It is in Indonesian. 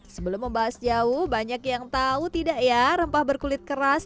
sebelum membahas jauh banyak yang tahu tidak ya rempah berkulit keras